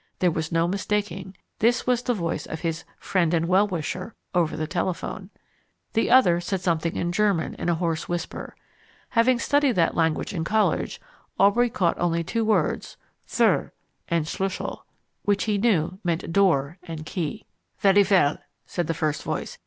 There was no mistaking this was the voice of his "friend and well wisher" over the telephone. The other said something in German in a hoarse whisper. Having studied that language in college, Aubrey caught only two words Thur and Schlussel, which he knew meant door and key. "Very well," said the first voice.